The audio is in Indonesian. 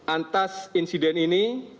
antas insiden ini